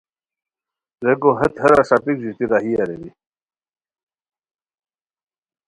ریکو ہیت ہیرا ݰاپیک ژوتی راہی ارینی